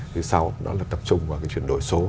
thứ sáu đó là tập trung vào cái chuyển đổi số